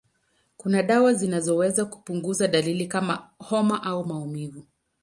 Kuna dawa zinazoweza kupunguza dalili kama homa au maumivu.